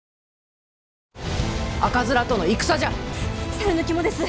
猿の肝です！